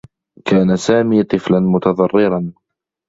كان سامي طفلا متضرّرا.